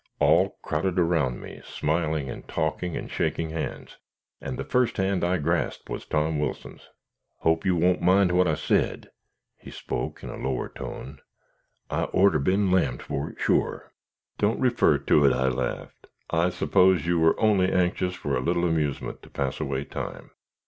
All crowded around me, smiling and talking and shaking hands; and the first hand I grasped was Tom Wilson's. "Hope you won't mind what I said;" he spoke in a lower tone, "I orter been lammed for it, sure." "Don't refer to it," I laughed; "I suppose you were only anxious for a little amusement to pass away time."